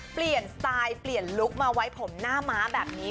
สไตล์เปลี่ยนลุคมาไว้ผมหน้าม้าแบบนี้